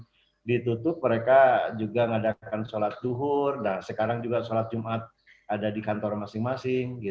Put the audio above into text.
kalau ditutup mereka juga mengadakan sholat duhur sekarang juga sholat jumat ada di kantor masing masing